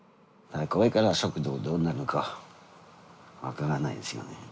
これから食堂どうなるのか分からないですよね。